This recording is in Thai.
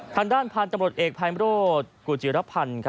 ทางด้านพันธุ์ตำรวจเอกภัยมโรธกุจิรพันธ์